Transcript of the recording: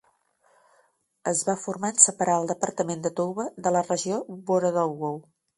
Es va formar en separar el departament de Touba de la regió Worodougou.